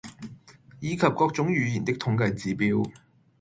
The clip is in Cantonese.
以及各種語言的統計指標